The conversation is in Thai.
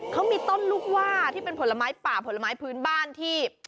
เขามีต้นลูกว่าที่เป็นผลไม้ป่าผลไม้พื้นบ้านที่